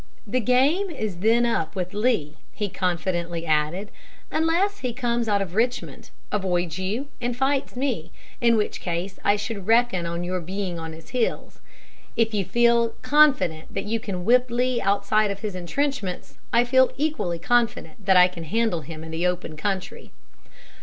"The game is then up with Lee," he confidently added, "unless he comes out of Richmond, avoids you, and fights me, in which case I should reckon on your being on his heels.... If you feel confident that you can whip Lee outside of his intrenchments, I feel equally confident that I can handle him in the open country."